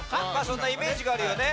そんなイメージがあるよね。